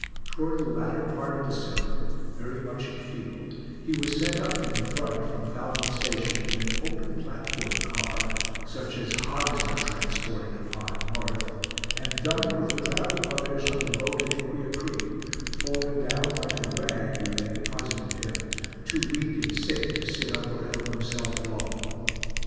Toward the latter part of December, very much enfeebled, he was sent up from the front, from Falmouth station, in an open platform car (such as hogs are transported upon North), and dumped with a crowd of others on the boat at Aquia creek, falling down like a rag where they deposited him, too weak and sick to sit up or help himself at all.